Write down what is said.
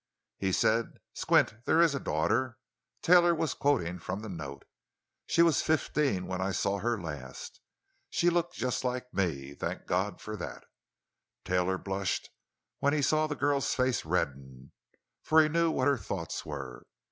"He said: 'Squint, there is a daughter'"—Taylor was quoting from the note—"'she was fifteen when I saw her last. She looked just like me—thank God for that!'" Taylor blushed when he saw the girl's face redden, for he knew what her thoughts were.